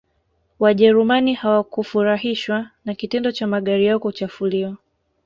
wajerumani hawakufurahishwa na kitendo cha magari yao kuchafuliwa